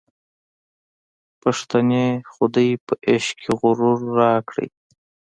پښتنې خودۍ په عشق کي غرور راکړی